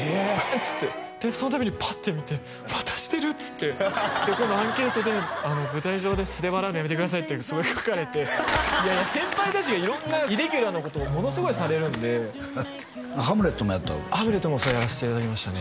つってでそのたびにパッて見てまたしてるっつってでこのアンケートであの舞台上で素で笑うのやめてくださいっていうのすごい書かれていやいや先輩達が色んなイレギュラーなことをものすごいされるんで「ハムレット」もやった「ハムレット」もそうやらせていただきましたね